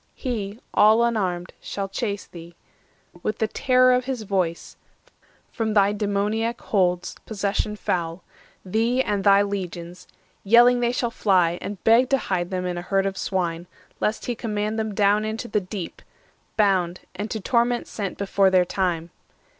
He, all unarmed, Shall chase thee, with the terror of his voice, From thy demoniac holds, possession foul— Thee and thy legions; yelling they shall fly, And beg to hide them in a herd of swine, 630 Lest he command them down into the Deep, Bound, and to torment sent before their time.